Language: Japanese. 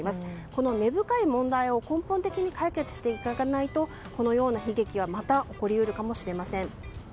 この根深い問題を根本的に解決していかないとこのような悲劇はまた起こり得るかもしれません。